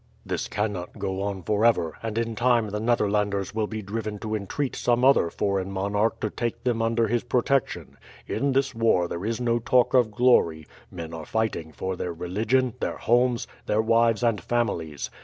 "This cannot go on forever, and in time the Netherlands will be driven to entreat some other foreign monarch to take them under his protection. In this war there is no talk of glory. Men are fighting for their religion, their homes, their wives and families.